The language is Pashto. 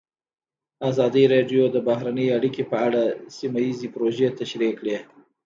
ازادي راډیو د بهرنۍ اړیکې په اړه سیمه ییزې پروژې تشریح کړې.